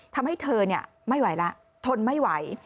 ทำให้เธอไม่ไหวแล้วทนไม่ไหว